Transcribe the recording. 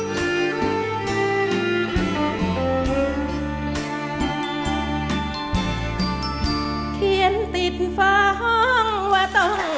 เขียนติดฟ้าห้องว่าต้อง